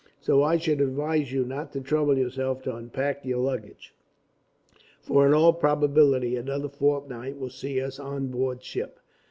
So I should advise you not to trouble yourself to unpack your luggage, for in all probability another fortnight will see us on board ship.